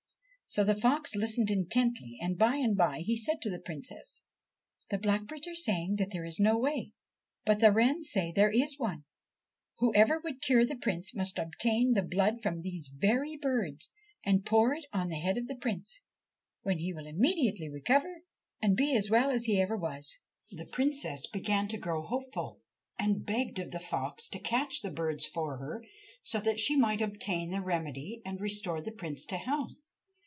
So the fox listened intently, and by and by he said to the Princess :' The blackbirds are saying there is no way, but the wrens say there is one. Whoever would cure the Prince must obtain the blood from these very birds and pour it on the head of the Prince, when he will immediately recover and be as well as he ever was.' The Princess began to grow hopeful, and begged of the fox to catch the birds for her so that she might obtain the remedy and restore the Prince to health.